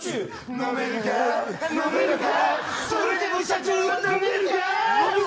飲めるか、飲めるかそれでも社長は飲めるか。